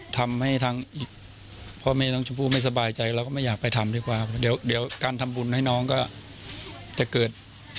ทำให้ถ้ามีพ่อไม่ต้องทเราไม่สบายใจแล้วไม่อยากไปทำด้วยก็ว่าเดี๋ยวเดี๋ยวการทำบุญน้อยน้องก็จะเกิด